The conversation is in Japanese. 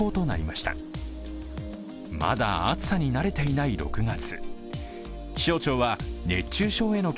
まだ暑さに慣れていない６月。